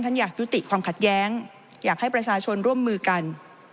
อยากยุติความขัดแย้งอยากให้ประชาชนร่วมมือกัน